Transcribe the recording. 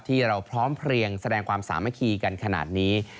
ที่เราพร้อมเพลียงแสดงความสามัคคีกันขนาดนี้